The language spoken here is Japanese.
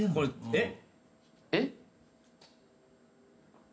えっ？